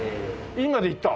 院までいった？